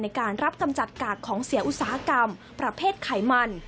ในการรับกำจัดกากของเสียอุตสาหกรรมประเภทไขมัน